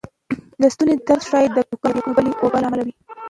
د ستونې درد ښایې د زکام یا کومې بلې وبا له امله وې